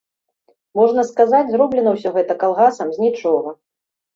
Можна сказаць, зроблена ўсё гэта калгасам з нічога.